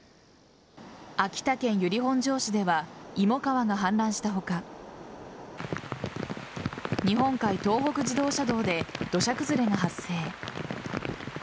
秋田県由利本荘市では芋川が氾濫した他日本海東北自動車道で土砂崩れが発生。